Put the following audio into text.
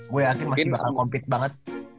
gue yakin masih bakal compete banget